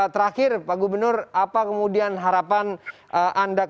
terakhir pak gubernur apa kemudian harapan anda ke depan dari pelaksanaan investasi